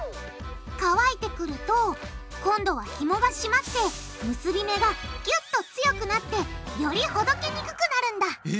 乾いてくると今度はひもが締まって結び目がぎゅっと強くなってよりほどけにくくなるんだえ！